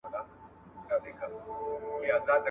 تخلیقي ادب زموږ کلتور ژوندئ ساتي.